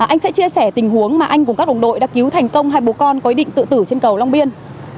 anh sẽ chia sẻ tình huống mà anh cùng các đồng đội đã cứu thành công hai bố con có ý định tự tử trên cầu long biên